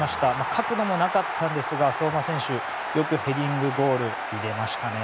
角度もなかったんですが相馬選手、よくヘディングゴール入れましたね。